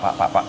pak pak pak